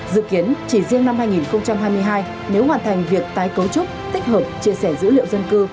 dự kiến chỉ riêng năm hai nghìn hai mươi hai nếu hoàn thành việc tái cấu trúc tích hợp chia sẻ dữ liệu dân cư